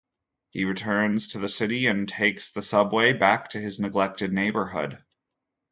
He returns to the city and takes the subway back to his neglected neighborhood.